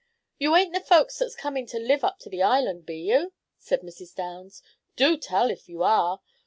"You ain't the folks that's coming to live up to the island, be you?" said Mrs. Downs. "Do tell if you are?